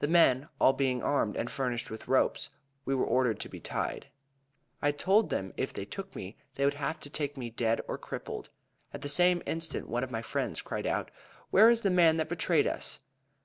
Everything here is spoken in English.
The men all being armed and furnished with ropes, we were ordered to be tied. I told them if they took me they would have to take me dead or crippled. At that instant one of my friends cried out 'Where is the man that betrayed us?'